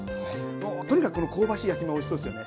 もうとにかくこの香ばしい焼き目おいしそうですよね。